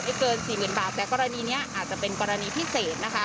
ไม่เกิน๔๐๐๐๐บาทแต่กรณีนี้อาจจะเป็นกรณีพิเศษนะคะ